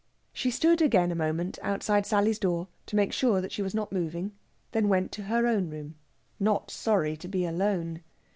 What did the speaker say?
She stood again a moment outside Sally's door to make sure she was not moving, then went to her own room, not sorry to be alone.